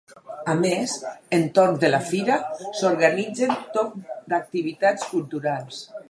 A més, entorn de la fira s’organitzen tot d’activitats culturals.